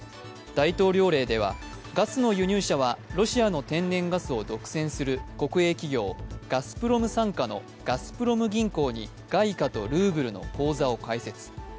大統領令では、ガスの輸入者はロシアの天然ガスを独占する国営企業、ガスプロム傘下のガスプロム銀行に外貨とルーブルの口座を開設。